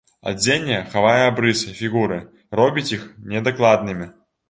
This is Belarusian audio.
Адзенне хавае абрысы фігуры, робіць іх недакладнымі.